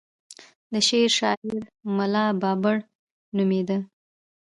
د شعر شاعر ملا بابړ نومېد.